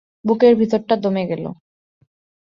বুকের ভিতরটা দমে গেল।